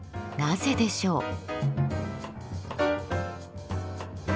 なぜでしょう。